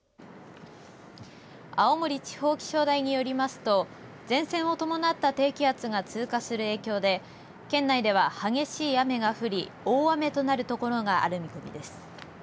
青森地方気象台によりますと前線を伴った低気圧が通過する影響で県内では激しい雨が降り大雨となるところがある見込みです。